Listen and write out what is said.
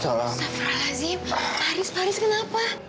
astagfirullahaladzim pak haris pak haris kenapa